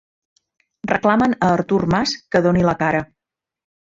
Reclamen a Artur Mas que doni la cara